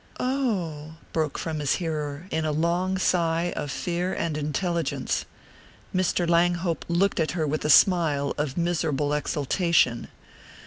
"Oh " broke from his hearer, in a long sigh of fear and intelligence. Mr. Langhope looked at her with a smile of miserable exultation.